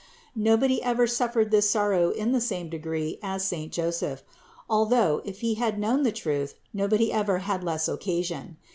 Nobody ever suffered this sor row in the same degree as saint Joseph, although, if he had known the truth, nobody ever had less occasion.